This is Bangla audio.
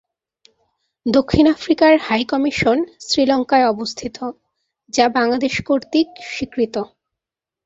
দক্ষিণ আফ্রিকার হাই কমিশন শ্রীলঙ্কায় অবস্থিত, যা বাংলাদেশ কর্তৃক স্বীকৃত।